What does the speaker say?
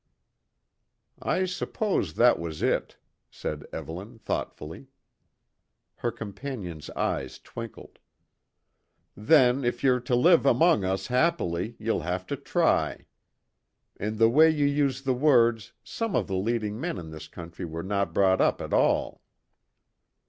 "I suppose that was it," said Evelyn thoughtfully. Her companion's eyes twinkled. "Then, if ye're to live among us happily, ye'll have to try. In the way ye use the words, some of the leading men in this country were no brought up at all."